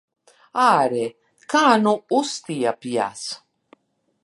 Āre, kā nu uztiepjas!